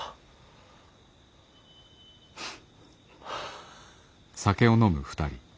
フッ。